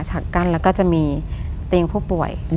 ฉากกั้นแล้วก็จะมีเตียงผู้ป่วย